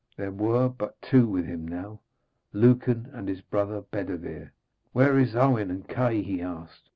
There were but two with him now, Lucan and his brother Bedevere. 'Where is Owen, and Kay?' he asked.